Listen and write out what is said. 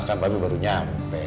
kan papi baru nyampe